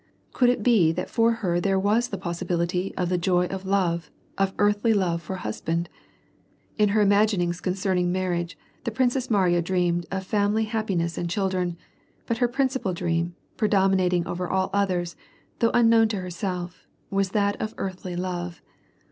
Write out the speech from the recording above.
Could it be that fur her there was the possibility of the joy of love, of earthly love for a husband ? In her imaginings concern ing marriage, the Princess Mariya dreamed of family ha})pi ness and children, but her principal dream, predominating over all others, though unknown to herself, was that of earthly love.